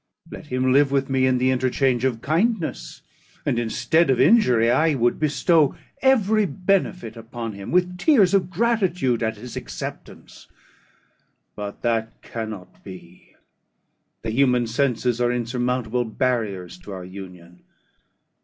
Let him live with me in the interchange of kindness; and, instead of injury, I would bestow every benefit upon him with tears of gratitude at his acceptance. But that cannot be; the human senses are insurmountable barriers to our union.